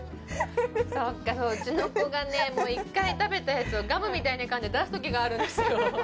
うちの子が、一回食べたやつをガムみたいにかんで出すときがあるんですよ。